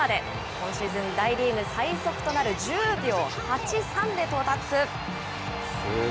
今シーズン、大リーグ最速となる１０秒８３で到達。